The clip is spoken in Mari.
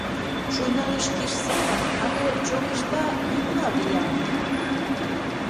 Шуйнылеш киш семын але чоҥешта йӱкла виян?